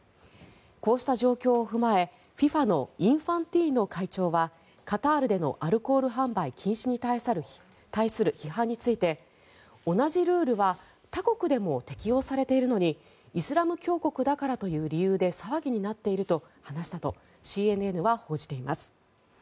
こうした状況を踏まえＦＩＦＡのインファンティーノ会長はカタールでのアルコール販売禁止に対する批判について同じルールは他国でも適用されているのにイスラム教国だからという理由で騒ぎになっていると話したとＣＮＮは報じています。